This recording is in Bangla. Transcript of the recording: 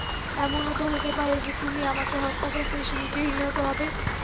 এমনও তো হতে পারে যে, তুমি আমাকে হত্যা করতে এসে নিজেই নিহত হবে।